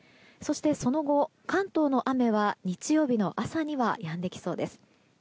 そしてその後、関東の雨は日曜日の朝にはやんできそうです。